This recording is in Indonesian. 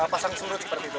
pasang surut seperti itu